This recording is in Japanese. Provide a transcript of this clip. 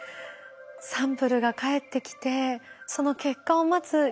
サンプルが帰ってきてその結果を待つ